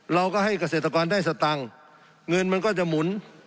เราก็ให้เกษตรกรได้สตังค์เงินมันก็จะหมุน